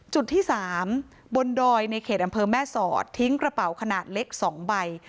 จุดที่๓บนดอยในเขตอำเภอแม่สอดทิ้งกระเป๋าขนาดเล็ก๒ใบ